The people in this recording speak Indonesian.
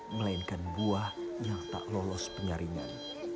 melainkan buah yang tak lolos penyaringan